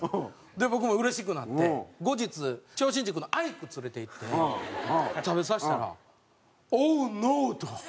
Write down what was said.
で僕もうれしくなって後日超新塾のアイクを連れて行って食べさせたら「オーノー！」と。